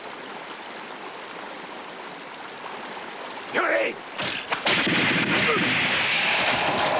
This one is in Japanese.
やれっ！